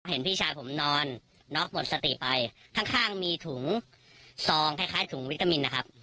เห็นพี่ชายผมนอนน็อกหมดสติไปข้างข้างมีถุงซองคล้ายถุงวิตามินนะครับ